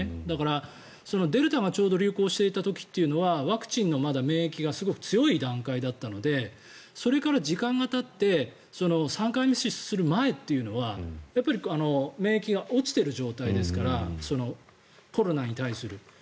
だから、デルタがちょうど流行していた時というのはワクチンの免疫が強い段階だったのでそれから時間がたって３回目接種する前というのは免疫が落ちている状態ですからコロナに対する。